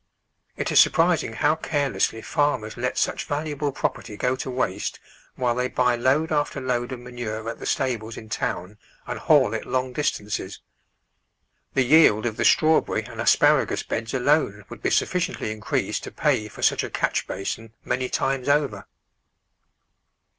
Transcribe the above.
It is surprising how carelessly farmers let such valuable property go to waste while they buy load after load of manure at the stables in town and haul it long distances. The yield of the strawberrry and asparagus beds alone would be sufficiently increased to pay for such a catch basin many times over.